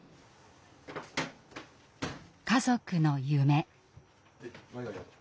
家族の夢。